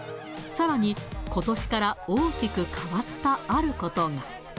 さらに、ことしから大きく変わったあることが。